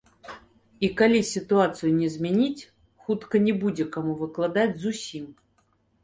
І калі сітуацыю не змяніць, хутка не будзе каму выкладаць зусім.